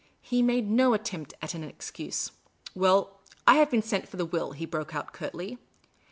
He made no attempt at an excuse. " Well, I have been sent for the will," he broke out, curtly.